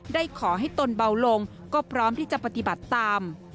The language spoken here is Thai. ได้ขอให้ตนเบาลงก็พร้อมที่จะปฏิบัติตาม